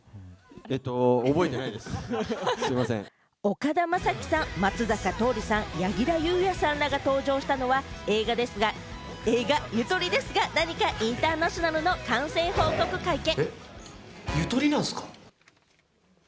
岡田将生さん、松坂桃李さん、柳楽優弥さんらが登場したのは、映画『ゆとりですがなにかインターナショナル』の完成報告会見。